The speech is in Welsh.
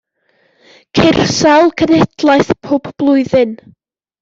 Ceir sawl cenhedlaeth pob blwyddyn.